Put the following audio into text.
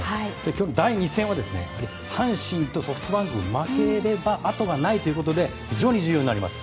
今日の第２戦は阪神とソフトバンクが負ければ後がないということで非常に重要になります。